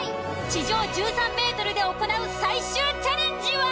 ［地上１３ｍで行う最終チャレンジは］